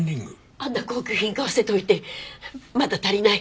あんな高級品買わせといて「まだ足りない。